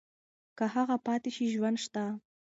که هغه پاتې شي ژوند شته.